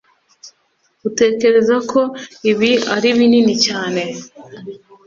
Utekereza ko ibi ari binini cyane